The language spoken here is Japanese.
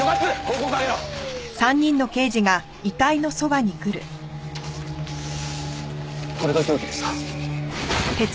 これが凶器ですか？